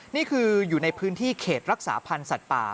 นี่คืออยู่ในพื้นที่เขตรักษาพันธ์สัตว์ป่า